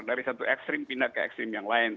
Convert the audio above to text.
dari satu ekstrim pindah ke ekstrim yang lain